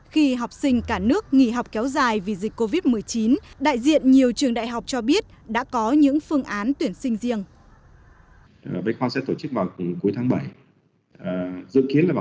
khi học sinh cả nước nghỉ học kéo dài vì dịch covid một mươi chín đại diện nhiều trường đại học cho biết đã có những phương án tuyển sinh riêng